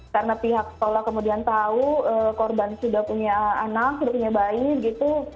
karena pihak sekolah kemudian tahu korban sudah punya anak sudah punya bayi gitu